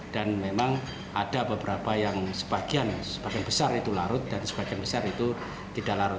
dan memang ada beberapa yang sebagian besar itu larut dan sebagian besar itu tidak larut